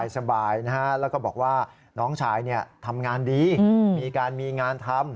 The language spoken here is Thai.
สบายนะฮะแล้วก็บอกว่าน้องชายทำงานดีมีการมีงานทำ